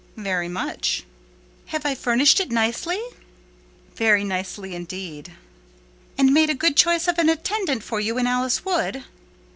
"Very much." "Have I furnished it nicely?" "Very nicely, indeed." "And made a good choice of an attendant for you in Alice Wood?"